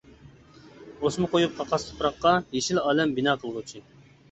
ئوسما قويۇپ قاقاس تۇپراققا، يېشىل ئالەم بىنا قىلغۇچى.